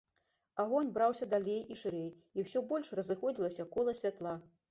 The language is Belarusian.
Агонь браўся далей і шырэй, і ўсё больш разыходзілася кола святла.